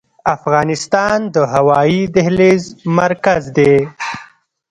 افغانستان د هوایي دهلیز مرکز دی؟